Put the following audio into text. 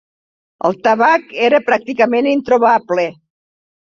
El tabac era pràcticament introbable